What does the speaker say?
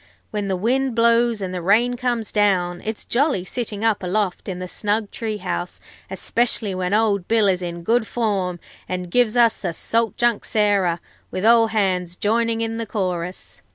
When the wind blows and the rain comes down, it's jolly sitting up aloft in the snug tree house, especially when old Bill is in good form and gives us the Salt Junk Sarah, with all hands joining in the chorus.